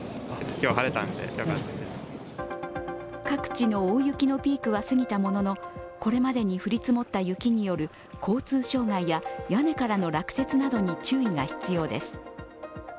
各地の大雪のピークは過ぎたもののこれまでに降り積もった雪による交通障害や屋根からの落雪などに注意が必要です。